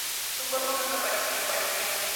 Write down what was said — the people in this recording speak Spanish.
Su cuerpo nunca apareció.